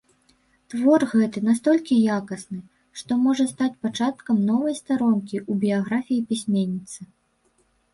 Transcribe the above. Твор гэты настолькі якасны, што можа стаць пачаткам новай старонкі ў біяграфіі пісьменніцы.